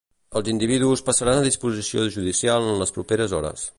Els individus passaran a disposició judicial en les properes hores.